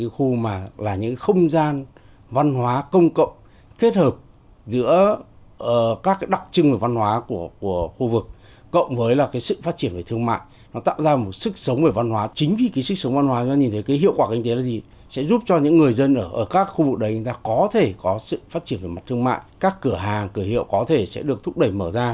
phát triển về mặt thương mại các cửa hàng cửa hiệu có thể sẽ được thúc đẩy mở ra